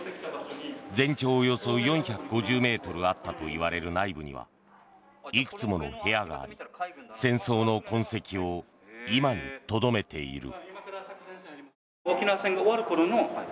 全長およそ４５０ｍあったといわれる内部にはいくつもの部屋があり戦争の痕跡を今にとどめている。